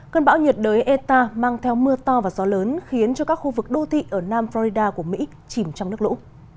cơn bão nhiệt đới eta mang theo mưa to và gió lớn khiến cho các khu vực đô thị ở nam florida của mỹ chìm trong nước lũ